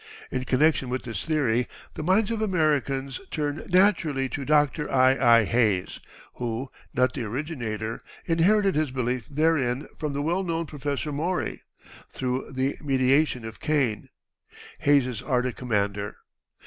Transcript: In connection with this theory the minds of Americans turn naturally to Dr. I. I. Hayes, who, not the originator, inherited his belief therein from the well known Professor Maury, through the mediation of Kane, Hayes's Arctic commander.